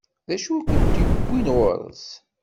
D acu i kent-iwwin ɣur-s?